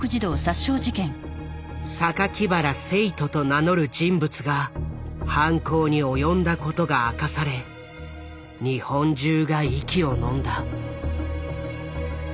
酒鬼薔薇聖斗と名乗る人物が犯行に及んだことが明かされ日本中が息をのんだ。